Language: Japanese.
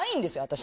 私。